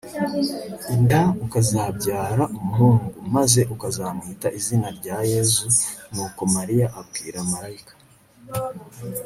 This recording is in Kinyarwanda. inda, ukazabyara umuhungu, maze ukazamwita izina rya yezu nuko mariya abwira malayika